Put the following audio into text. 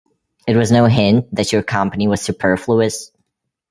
It was no hint that your company was superfluous?